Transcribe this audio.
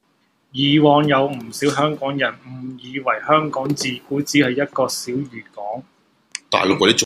以往有唔少香港人誤以為香港自古只係一個小漁港